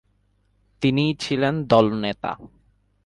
তিনিই ছিলেন দলনেতা।